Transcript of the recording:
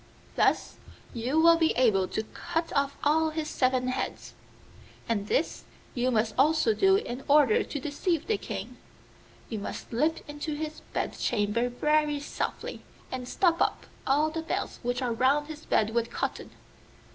Thus you will be able to cut off all his seven heads. And this you must also do in order to deceive the King: you must slip into his bed chamber very softly, and stop up all the bells which are round his bed with cotton.